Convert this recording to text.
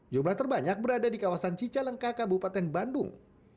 jumlah terbanyak berada di kawasan cicalengka kabupaten bandung